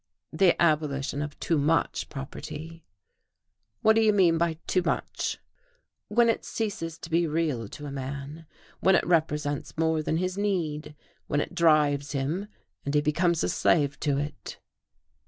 "The abolition of too much property." "What do you mean by 'too much'?" "When it ceases to be real to a man, when it represents more than his need, when it drives him and he becomes a slave to it."